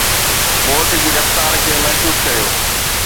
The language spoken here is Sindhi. بوٽ جي رفتار کي محسوس ڪريو